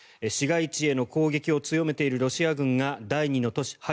市街地への攻撃を強めているロシア軍が第２の都市